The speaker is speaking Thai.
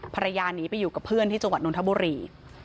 ภรรยาหนีไปอยู่กับเพื่อนที่จังหวัดนทบุรี